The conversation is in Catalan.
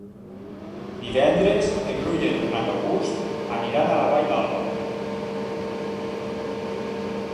Divendres en Bru i en Renat August aniran a la Vall d'Alba.